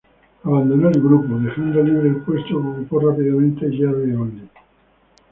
Abandonó el grupo, dejando libre el puesto que ocupó rápidamente Jerry Only.